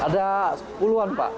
ada sepuluhan pak